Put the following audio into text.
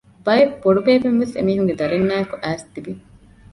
ބައެއް ބޮޑުބޭބެމެންވެސް އެމީހުންގެ ދަރިންނާއެކު އައިސް ތިވި